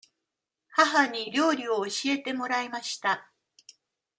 母に料理を教えてもらいました。